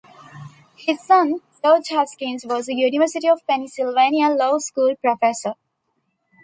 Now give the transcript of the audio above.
His son George Haskins was a University of Pennsylvania Law School professor.